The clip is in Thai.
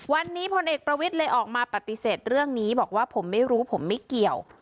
วันนี้พลเอกประวิทย์เลยออกมาปฏิเสธเรื่องนี้บอกว่าผมไม่รู้ผมไม่เกี่ยว